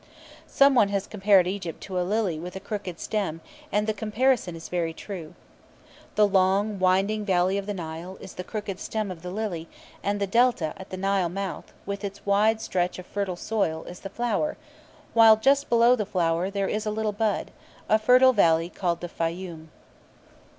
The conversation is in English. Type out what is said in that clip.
Someone has compared Egypt to a lily with a crooked stem, and the comparison is very true. The long winding valley of the Nile is the crooked stem of the lily, and the Delta at the Nile mouth, with its wide stretch of fertile soil, is the flower; while, just below the flower, there is a little bud a fertile valley called the Fayum.